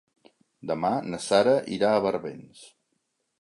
Demà na Sara irà a Barbens.